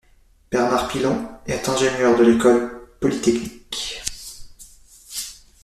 Bernard Pilon est ingénieur de l'École polytechnique.